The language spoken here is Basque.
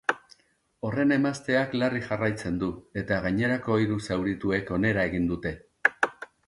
Horren emazteak larri jarraitzen du, eta gainerako hiru zaurituek onera egin dute.